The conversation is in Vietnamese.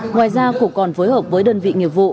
ngoài ra cục còn phối hợp với đơn vị nghiệp vụ